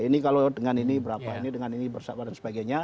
ini kalau dengan ini berapa ini dengan ini bersama dan sebagainya